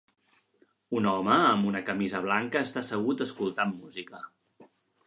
Un home amb una camisa blanca està assegut escoltant música.